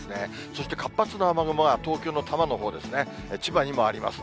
そして活発な雨雲が東京の多摩のほうですね、千葉にもあります。